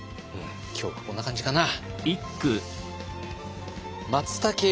今日はこんな感じかな。